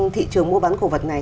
thị trường mua bán cổ vật này